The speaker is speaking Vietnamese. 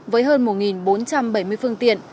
với hơn một bốn trăm bảy mươi phương tiện